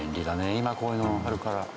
今こういうのあるから。